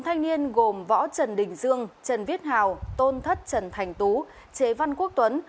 năm thanh niên gồm võ trần đình dương trần viết hào tôn thất trần thành tú chế văn quốc tuấn